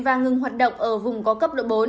và ngừng hoạt động ở vùng có cấp độ bốn